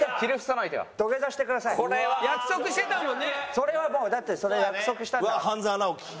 それはもうだってそれ約束したんだから。